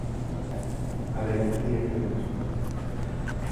Hulle het twee kinders